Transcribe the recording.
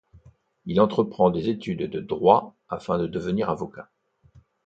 Il entreprend des études de droit afin de devenir avocat.